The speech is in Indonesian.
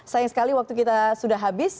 sayang sekali waktu kita sudah habis